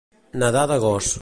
Nedar de gos.